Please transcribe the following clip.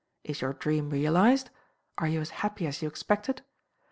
Is your dream realised? are you as happy as you expected?